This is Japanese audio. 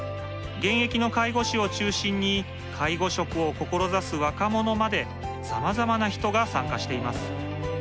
現役の介護士を中心に介護職を志す若者までさまざまな人が参加しています。